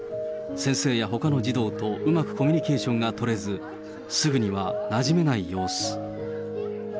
先生やほかの児童と、うまくコミュニケーションが取れず、すぐにはなじめない様子。